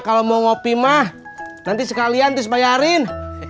kalo mau ngopi mah nanti sekalian ntis bayarin